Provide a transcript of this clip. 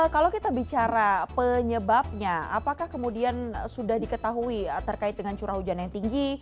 kalau kita bicara penyebabnya apakah kemudian sudah diketahui terkait dengan curah hujan yang tinggi